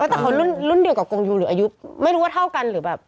แต่คนรุ่นเดียวกับกงยูหรืออายุไม่รู้ว่าเท่ากันหรือแบบ